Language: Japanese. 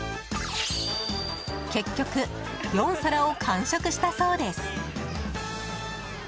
結局４皿を完食したそうです。